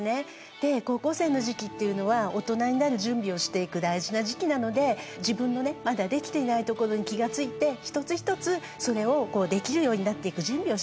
で高校生の時期っていうのはオトナになる準備をしていく大事な時期なので自分のねまだできていないところに気が付いて一つ一つそれをできるようになっていく準備をしていく。